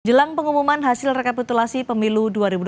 jelang pengumuman hasil rekapitulasi pemilu dua ribu dua puluh